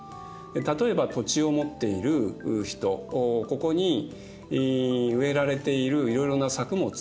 例えば土地を持っている人ここに植えられているいろいろな作物